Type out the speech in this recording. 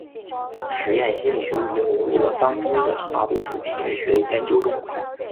实验心理学已经融入了当今的大多数心理学研究中。